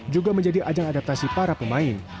juga menjadi ajang adaptasi para pemain